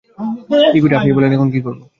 কি করি আপনিই বলেন এখন কি করবো?